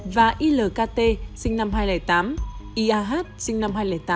và ilkt sinh năm hai nghìn tám iah sinh năm hai nghìn tám